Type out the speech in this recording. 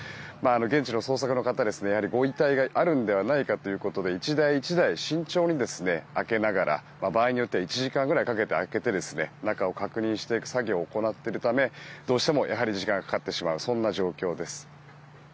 現地の捜索の方は、ご遺体があるのではないかということで１台１台慎重に開けながら場合によっては１時間ぐらいかけて開けて中を確認していく作業を行っていくためどうしても時間がかかってしまう状況です。